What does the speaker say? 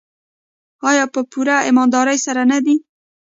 آیا په پوره ایمانداري سره نه دی؟